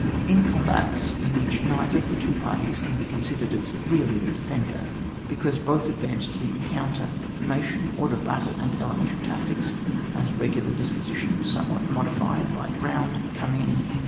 In combats in which neither of the two parties can be considered as really the defender, because both advance to the encounter, formation, order of battle, and elementary tactics (as regu lar disposition somewhat modified by ground), come in in.